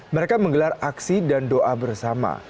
mereka menggelar aksi dan doa bersama